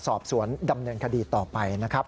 สอบสวนดำเนินคดีต่อไปนะครับ